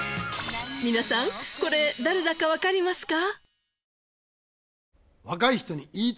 皆さんこれ誰だかわかりますか？